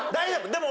でも。